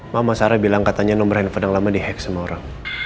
mama sarah bilang katanya nomor handphone yang lama di hack sama orang